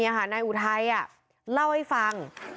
อย่างนี้หานายอุทัยเล่าให้ฟัง